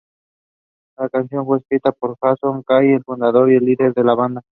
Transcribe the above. La canción fue escrita por Jason Kay, el fundador y líder de la banda.